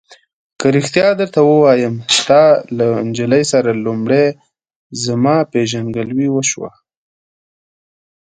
که رښتیا درته ووایم، ستا له نجلۍ سره لومړی زما پېژندګلوي وشوه.